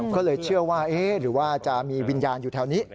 ก็เลยเชื่อว่าเอ๊ะหรือว่าจะมีวิญญาณอยู่แถวนี้